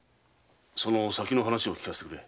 その先を聞かせてくれ。